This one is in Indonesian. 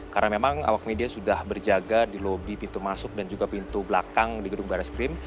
karena memang awak media sudah berjaga di lobi pintu masuk dan juga pintu belakang di gedung baras krim